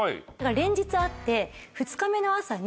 連日会って。